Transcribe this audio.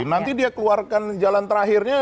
nanti dia keluarkan jalan terakhirnya